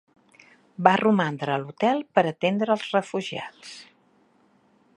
Va romandre a l'hotel per atendre als refugiats.